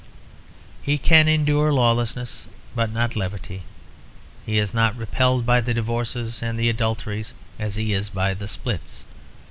He can endure lawlessness but not levity. He is not repelled by the divorces and the adulteries as he is by the "splits."